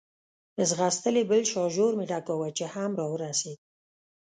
ځغستل یې، بل شاژور مې ډکاوه، چې هم را ورسېد.